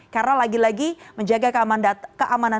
karena lagi lagi menjaga keamanan data ini adalah keamanan siber